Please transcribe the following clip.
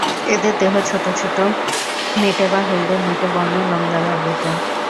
এদের দেহ ছোট ছোট মেটে বা হলদে মেটে বর্ণের লোম দ্বারা আবৃত থাকে।